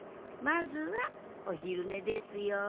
まずはおひるねですよ。